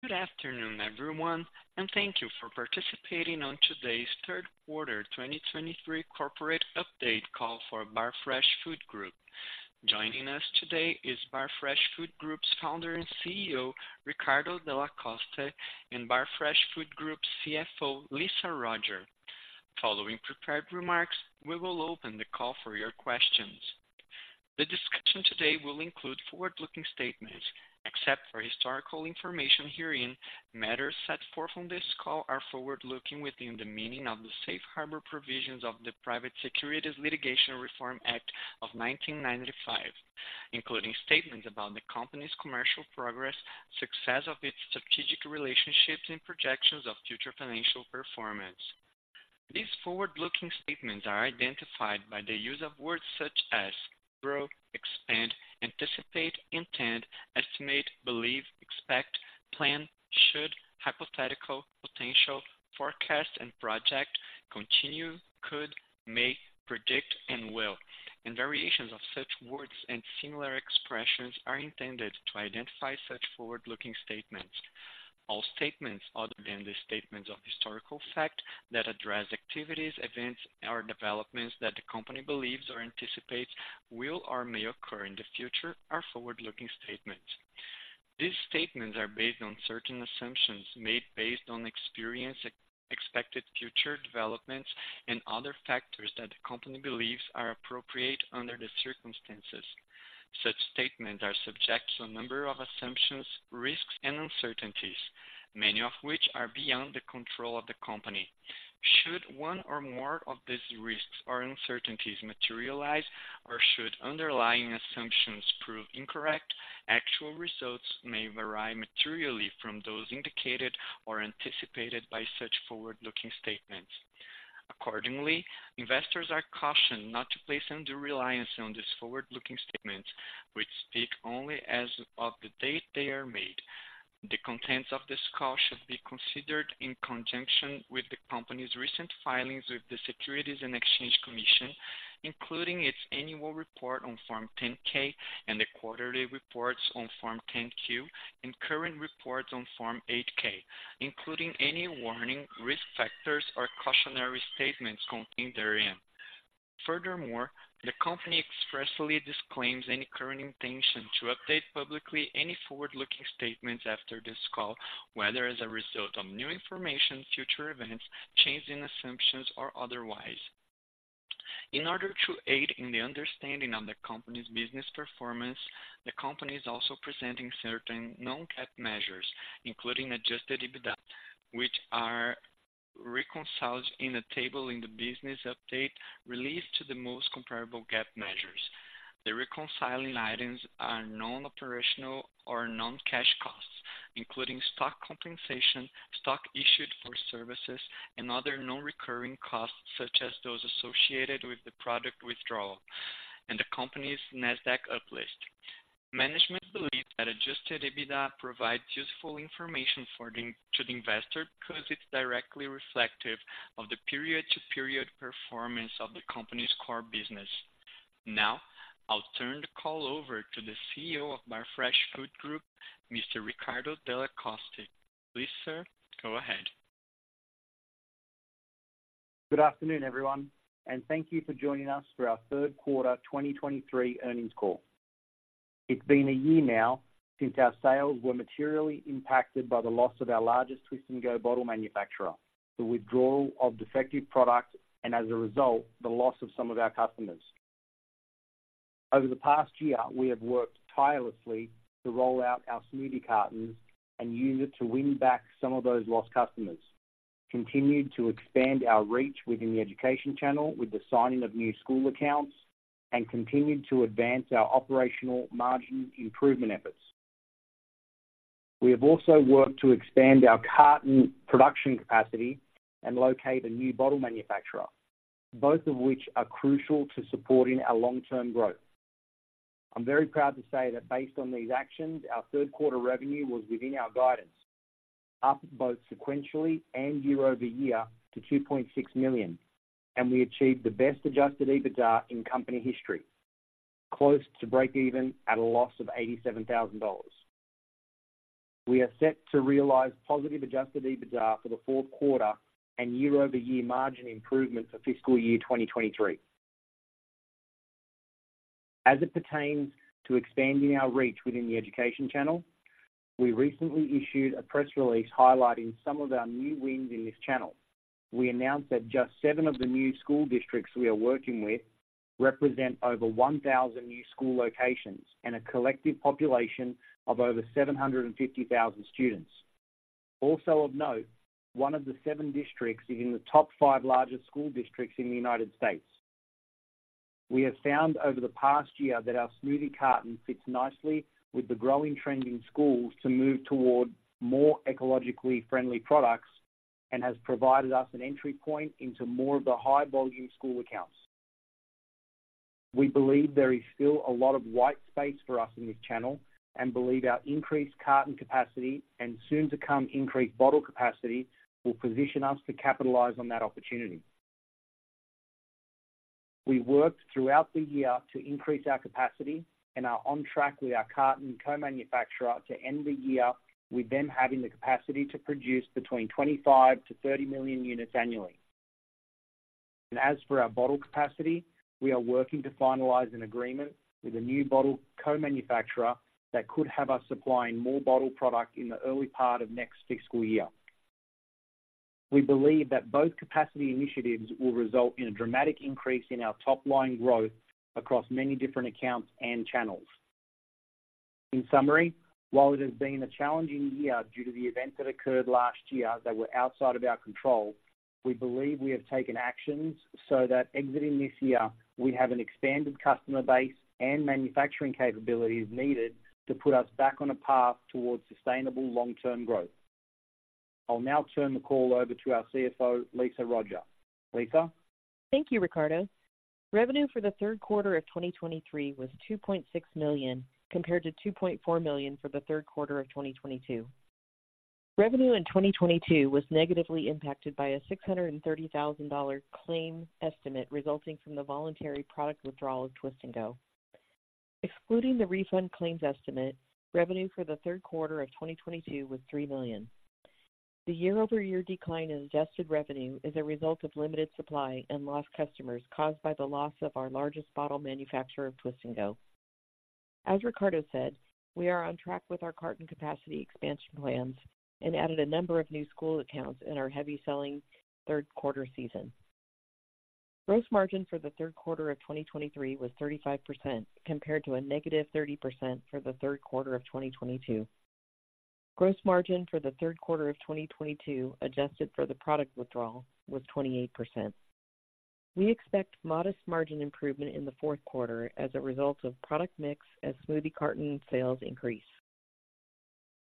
Good afternoon, everyone, and thank you for participating on today's third quarter 2023 corporate update call for Barfresh Food Group. Joining us today is Barfresh Food Group's founder and CEO, Riccardo Delle Coste, and Barfresh Food Group's CFO, Lisa Roger. Following prepared remarks, we will open the call for your questions. The discussion today will include forward-looking statements. Except for historical information herein, matters set forth on this call are forward-looking within the meaning of the Safe Harbor Provisions of the Private Securities Litigation Reform Act of 1995, including statements about the company's commercial progress, success of its strategic relationships, and projections of future financial performance. These forward-looking statements are identified by the use of words such as grow, expand, anticipate, intend, estimate, believe, expect, plan, should, hypothetical, potential, forecast and project, continue, could, may, predict and will, and variations of such words and similar expressions are intended to identify such forward-looking statements. All statements other than the statements of historical fact that address activities, events, or developments that the company believes or anticipates will or may occur in the future are forward-looking statements. These statements are based on certain assumptions made based on experience, expected future developments, and other factors that the company believes are appropriate under the circumstances. Such statements are subject to a number of assumptions, risks, and uncertainties, many of which are beyond the control of the company. Should one or more of these risks or uncertainties materialize, or should underlying assumptions prove incorrect, actual results may vary materially from those indicated or anticipated by such forward-looking statements. Accordingly, investors are cautioned not to place undue reliance on these forward-looking statements, which speak only as of the date they are made. The contents of this call should be considered in conjunction with the company's recent filings with the Securities and Exchange Commission, including its annual report on Form 10-K and the quarterly reports on Form 10-Q and current reports on Form 8-K, including any warning, risk factors, or cautionary statements contained therein. Furthermore, the company expressly disclaims any current intention to update publicly any forward-looking statements after this call, whether as a result of new information, future events, changes in assumptions, or otherwise. In order to aid in the understanding of the company's business performance, the company is also presenting certain non-GAAP measures, including Adjusted EBITDA, which are reconciled in a table in the business update released to the most comparable GAAP measures. The reconciling items are non-operational or non-cash costs, including stock compensation, stock issued for services, and other non-recurring costs, such as those associated with the product withdrawal and the company's NASDAQ uplist. Management believes that Adjusted EBITDA provides useful information to the investor, because it's directly reflective of the period-to-period performance of the company's core business. Now, I'll turn the call over to the CEO of Barfresh Food Group, Mr. Riccardo Delle Coste. Please, sir, go ahead. Good afternoon, everyone, and thank you for joining us for our third quarter, 2023 earnings call. It's been a year now since our sales were materially impacted by the loss of our largest Twist & Go bottle manufacturer, the withdrawal of defective products, and as a result, the loss of some of our customers. Over the past year, we have worked tirelessly to roll out our smoothie cartons and use it to win back some of those lost customers, continued to expand our reach within the education channel with the signing of new school accounts, and continued to advance our operational margin improvement efforts. We have also worked to expand our carton production capacity and locate a new bottle manufacturer, both of which are crucial to supporting our long-term growth. I'm very proud to say that based on these actions, our third quarter revenue was within our guidance, up both sequentially and year-over-year to $2.6 million, and we achieved the best Adjusted EBITDA in company history, close to breakeven at a loss of $87,000. We are set to realize positive Adjusted EBITDA for the fourth quarter and year-over-year margin improvement for fiscal year 2023. As it pertains to expanding our reach within the education channel, we recently issued a press release highlighting some of our new wins in this channel. We announced that just seven of the new school districts we are working with represent over 1,000 new school locations and a collective population of over 750,000 students. Also of note, one of the seven districts is in the top five largest school districts in the United States. We have found over the past year that our smoothie carton fits nicely with the growing trend in schools to move toward more ecologically friendly products and has provided us an entry point into more of the high-volume school accounts. We believe there is still a lot of white space for us in this channel and believe our increased carton capacity and soon to come increased bottle capacity will position us to capitalize on that opportunity. We worked throughout the year to increase our capacity and are on track with our carton co-manufacturer to end the year with them having the capacity to produce between 25 million-30 million units annually. As for our bottle capacity, we are working to finalize an agreement with a new bottle co-manufacturer that could have us supplying more bottle product in the early part of next fiscal year. We believe that both capacity initiatives will result in a dramatic increase in our top line growth across many different accounts and channels. In summary, while it has been a challenging year due to the events that occurred last year that were outside of our control, we believe we have taken actions so that exiting this year, we have an expanded customer base and manufacturing capabilities needed to put us back on a path towards sustainable long-term growth. I'll now turn the call over to our CFO, Lisa Roger. Lisa? Thank you, Riccardo. Revenue for the third quarter of 2023 was $2.6 million, compared to $2.4 million for the third quarter of 2022. Revenue in 2022 was negatively impacted by a $630,000 claim estimate, resulting from the voluntary product withdrawal of Twist & Go. Excluding the refund claims estimate, revenue for the third quarter of 2022 was $3 million. The year-over-year decline in adjusted revenue is a result of limited supply and lost customers caused by the loss of our largest bottle manufacturer of Twist & Go. As Riccardo said, we are on track with our carton capacity expansion plans and added a number of new school accounts in our heavy selling third quarter season. Gross margin for the third quarter of 2023 was 35%, compared to a -30% for the third quarter of 2022. Gross margin for the third quarter of 2022, adjusted for the product withdrawal, was 28%. We expect modest margin improvement in the fourth quarter as a result of product mix as smoothie carton sales increase.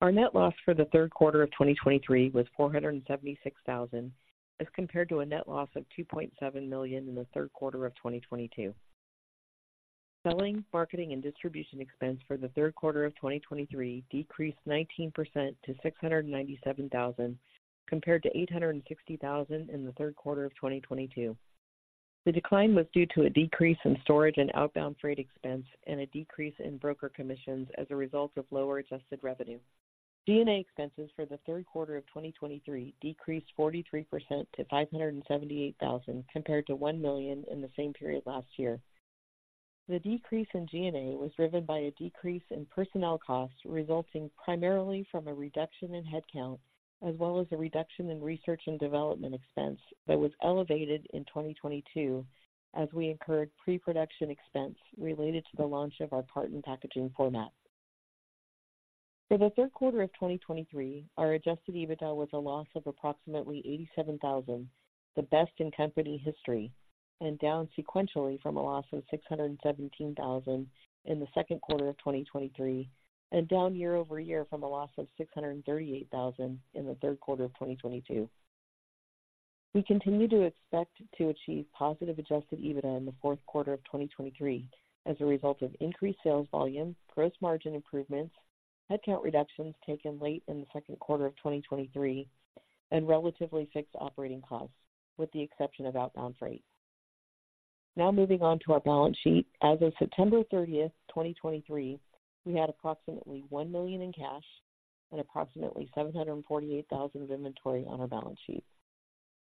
Our net loss for the third quarter of 2023 was $476,000, as compared to a net loss of $2.7 million in the third quarter of 2022. Selling, marketing, and distribution expense for the third quarter of 2023 decreased 19% to $697,000, compared to $860,000 in the third quarter of 2022. The decline was due to a decrease in storage and outbound freight expense and a decrease in broker commissions as a result of lower adjusted revenue. G&A expenses for the third quarter of 2023 decreased 43% to $578,000, compared to $1,000,000 in the same period last year. The decrease in GNA was driven by a decrease in personnel costs, resulting primarily from a reduction in headcount, as well as a reduction in research and development expense that was elevated in 2022 as we incurred pre-production expense related to the launch of our carton packaging format. For the third quarter of 2023, our Adjusted EBITDA was a loss of approximately $87,000, the best in company history, and down sequentially from a loss of $617,000 in the second quarter of 2023, and down year over year from a loss of $638,000 in the third quarter of 2022. We continue to expect to achieve positive Adjusted EBITDA in the fourth quarter of 2023 as a result of increased sales volume, gross margin improvements, headcount reductions taken late in the second quarter of 2023, and relatively fixed operating costs, with the exception of outbound freight. Now moving on to our balance sheet. As of September 30, 2023, we had approximately $1 million in cash and approximately $748,000 of inventory on our balance sheet,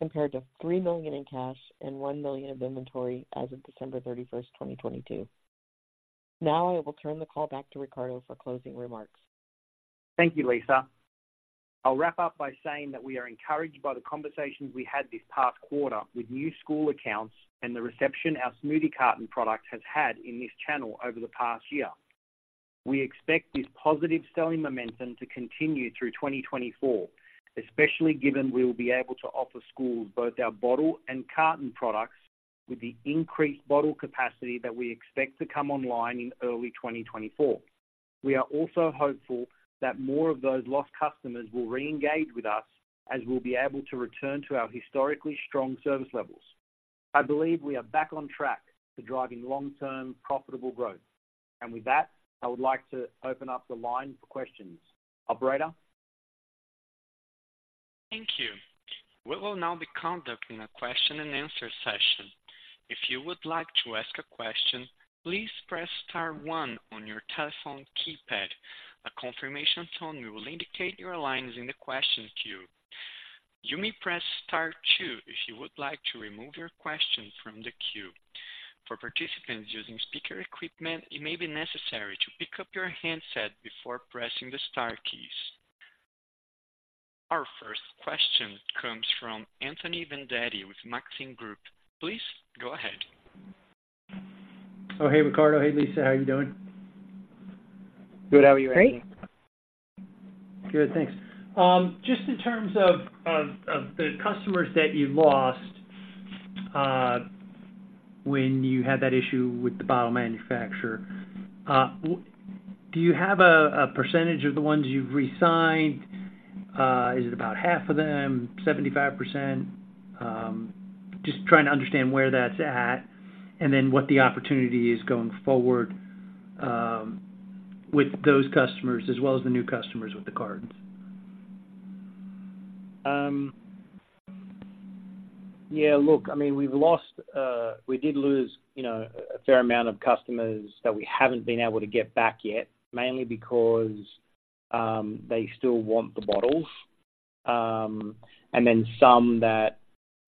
compared to $3 million in cash and $1 million of inventory as of December 31, 2022. Now, I will turn the call back to Riccardo for closing remarks. Thank you, Lisa. I'll wrap up by saying that we are encouraged by the conversations we had this past quarter with new school accounts and the reception our smoothie cartons product has had in this channel over the past year. We expect this positive selling momentum to continue through 2024, especially given we will be able to offer schools both our bottle and carton products with the increased bottle capacity that we expect to come online in early 2024. We are also hopeful that more of those lost customers will re-engage with us, as we'll be able to return to our historically strong service levels. I believe we are back on track to driving long-term profitable growth. With that, I would like to open up the line for questions. Operator? Thank you. We will now be conducting a question and answer session. If you would like to ask a question, please press star one on your telephone keypad. A confirmation tone will indicate your line is in the question queue. You may press Star two if you would like to remove your question from the queue. For participants using speaker equipment, it may be necessary to pick up your handset before pressing the star keys. Our first question comes from Anthony Vendetti with Maxim Group. Please go ahead. Oh, hey, Riccardo. Hey, Lisa. How are you doing? Good. How are you, Anthony? Great. Good, thanks. Just in terms of the customers that you lost when you had that issue with the bottle manufacturer, do you have a percentage of the ones you've resigned? Is it about half of them, 75%? Just trying to understand where that's at and then what the opportunity is going forward with those customers as well as the new customers with the cartons. Yeah, look, I mean, we've lost, we did lose, you know, a fair amount of customers that we haven't been able to get back yet, mainly because, they still want the bottles. And then some that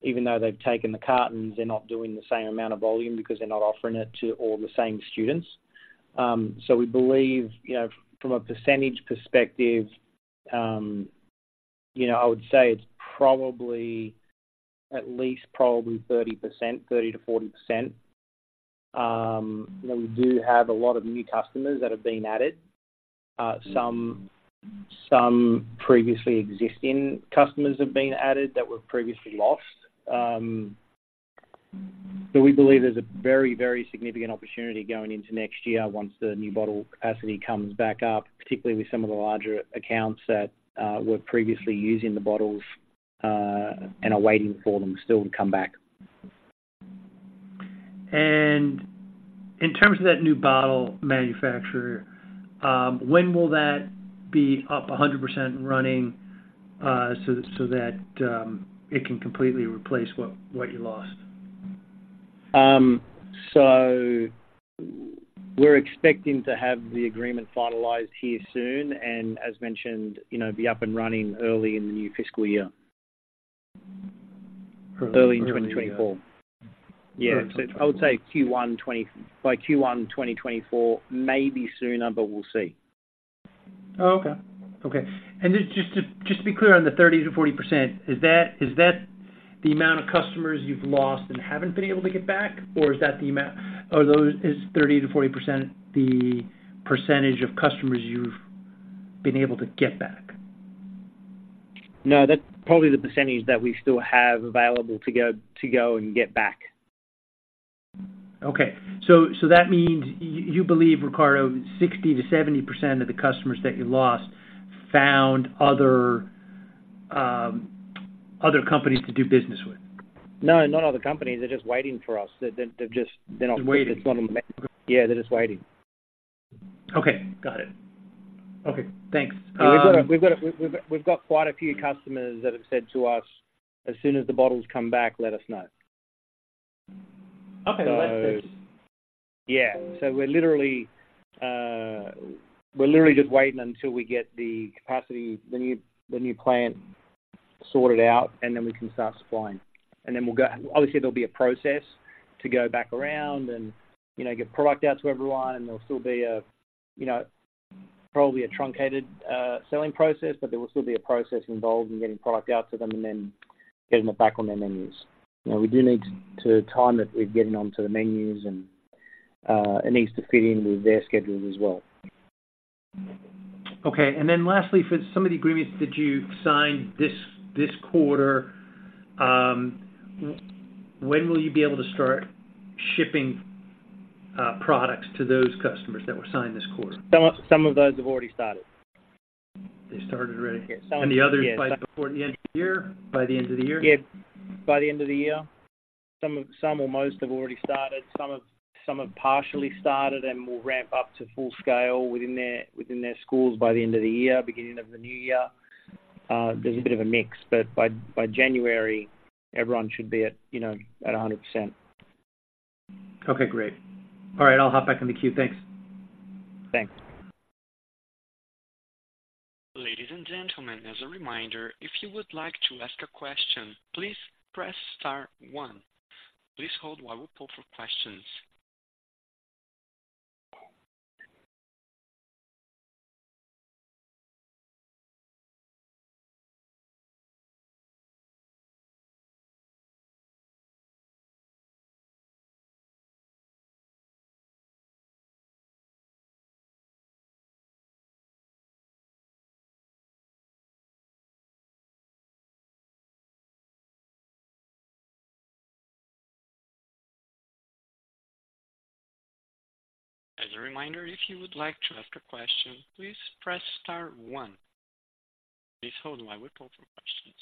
even though they've taken the cartons, they're not doing the same amount of volume because they're not offering it to all the same students. So we believe, you know, from a percentage perspective, you know, I would say it's probably at least probably 30%, 30%-40%. You know, we do have a lot of new customers that have been added. Some, some previously existing customers have been added that were previously lost. We believe there's a very, very significant opportunity going into next year once the new bottle capacity comes back up, particularly with some of the larger accounts that were previously using the bottles, and are waiting for them still to come back. In terms of that new bottle manufacturer, when will that be up 100% running, so that it can completely replace what you lost? So, we're expecting to have the agreement finalized here soon, and as mentioned, you know, be up and running early in the new fiscal year. Early- Early in 2024. Yeah. I would say Q1 2020 by Q1 2024, maybe sooner, but we'll see. Oh, okay. Okay. Just to be clear on the 30%-40%, is that the amount of customers you've lost and haven't been able to get back? Or is that the amount— or is 30%-40% the percentage of customers you've been able to get back? No, that's probably the percentage that we still have available to go, to go and get back. Okay, so that means you believe, Riccardo, 60%-70% of the customers that you lost found other companies to do business with? No, not other companies. They're just waiting for us. They've just- They're waiting. Yeah, they're just waiting. Okay, got it. Okay, thanks. We've got quite a few customers that have said to us, "As soon as the bottles come back, let us know. Okay, that's- Yeah. So we're literally just waiting until we get the capacity, the new plant sorted out, and then we can start supplying. And then we'll go... Obviously, there'll be a process to go back around and, you know, get product out to everyone, and there'll still be a, you know, probably a truncated selling process, but there will still be a process involved in getting product out to them and then getting it back on their menus. You know, we do need to time it with getting onto the menus, and it needs to fit in with their schedules as well. Okay, and then lastly, for some of the agreements that you signed this quarter, when will you be able to start shipping products to those customers that were signed this quarter? Some of those have already started. They started already? Yes. And the others by before the end of the year? By the end of the year. Yeah, by the end of the year. Some or most have already started. Some have, some have partially started and will ramp up to full scale within their schools by the end of the year, beginning of the new year. There's a bit of a mix, but by January, everyone should be at, you know, at 100%. Okay, great. All right, I'll hop back on the queue. Thanks. Thanks. Ladies and gentlemen, as a reminder, if you would like to ask a question, please press star one. Please hold while we poll for questions. As a reminder, if you would like to ask a question, please press star one. Please hold while we poll for questions.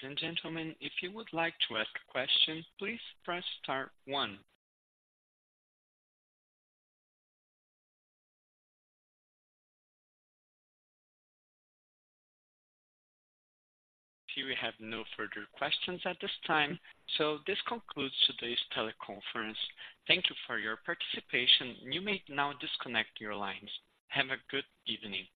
Ladies and gentlemen, if you would like to ask a question, please press star one. We have no further questions at this time, so this concludes today's teleconference. Thank you for your participation. You may now disconnect your lines. Have a good evening.